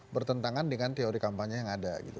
bertentangan dengan teori kampanye yang ada